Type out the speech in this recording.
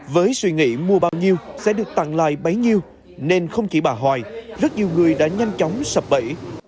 với suy nghĩ mua bao nhiêu sẽ được tặng lại bấy nhiêu nên không chỉ bà hoài rất nhiều người đã nhanh chóng sập bẫy